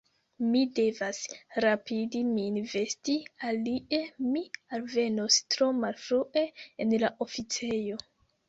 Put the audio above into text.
Mi devas rapidi min vesti, alie mi alvenos tro malfrue en la oficejo.